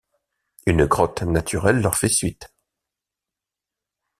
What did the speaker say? Une grotte naturelle leur fait suite.